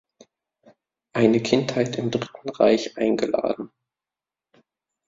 Eine Kindheit im Dritten Reich" eingeladen.